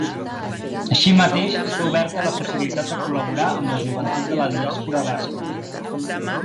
Així mateix, està oberta la possibilitat de col·laborar amb la joventut de la diàspora basca.